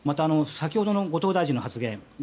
先ほどの後藤大臣の発言